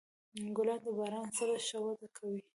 ګلان د باران سره ښه وده کوي.